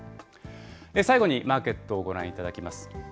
最後にマーケットをご覧いただきます。